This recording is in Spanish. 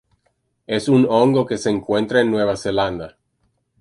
Es un hongo que se encuentra en Nueva Zelanda.